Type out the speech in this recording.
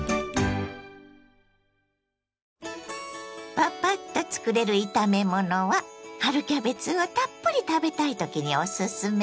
パパッとつくれる炒め物は春キャベツをたっぷり食べたいときにおすすめです。